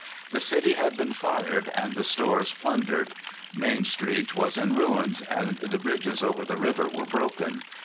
The city had been fired and the stores plundered. Main Street was in ruins, and the bridges over the river were broken.